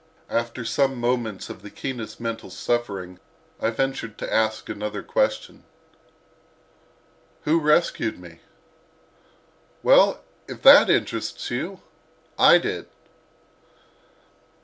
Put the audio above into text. After some moments of the keenest mental suffering I ventured to ask another question: "Who rescued me?" "Well, if that interests you—I did."